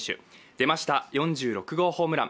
出ました、４６号ホームラン。